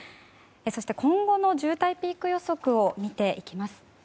そして今後の渋滞ピーク予測を見ていきます。